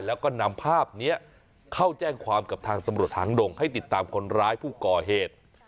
แล้วก็นำภาพนี้เข้าแจ้งความกับทางตำรวจถังดงให้ติดตามคนร้ายผู้ก่อเหตุ